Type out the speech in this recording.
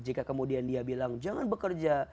jika kemudian dia bilang jangan bekerja